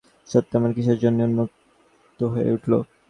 আর তার পরীক্ষণেই যেন সমস্ত সত্তা আমার কিসের জন্যে উন্মুখ হয়ে উঠল।